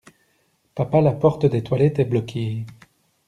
Papa la porte des toilettes est bloquée!